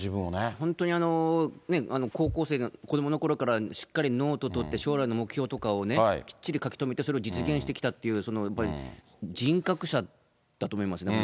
本当に高校生の子どものころからしっかりノート取って、将来の目標とかをね、きっちり書き留めて、それを実現してきたっていう、やっぱり人格者だと思いますね、僕。